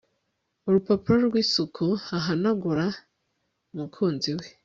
urupapuro rwisuku ahanagura umukunzi we